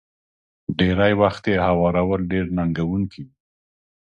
ډېری وخت يې هوارول ډېر ننګوونکي وي.